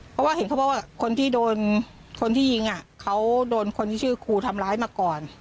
เพราะว่าเห็นเขาโบราณว่าคนที่โดนคนที่ยิงคือคูทำร้ายมาก่อน